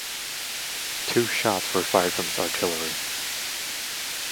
Two shots were fired from its artillery.